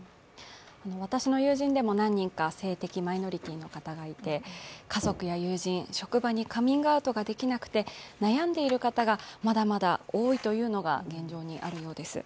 私の友人でも何人か性的マイノリティーの方がいて、家族や友人、職場にカミングアウトできなくて悩んでいるというのがまだまだ多いというのが現状にあるようです。